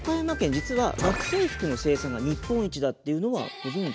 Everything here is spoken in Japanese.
実は学生服の生産が日本一だっていうのはご存じ？